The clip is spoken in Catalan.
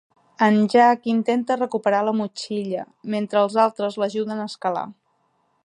En Jack intenta recuperar la motxilla, mentre els altres l'ajuden a escalar.